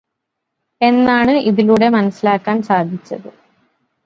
എന്നാണ് ഇതിലൂടെ മനസ്സിലാക്കാൻ സാധിച്ചത്.